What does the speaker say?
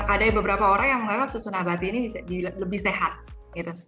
ada ya beberapa orang yang menganggap susu nabati ini lebih sehat